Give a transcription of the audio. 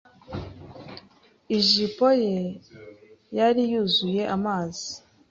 ijipo ye yari yuzuye amazi.